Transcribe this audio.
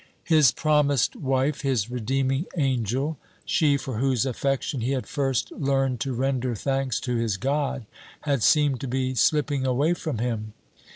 His promised wife, his redeeming angel, she for whose affection he had first learned to render thanks to his God, had seemed to be slipping away from him.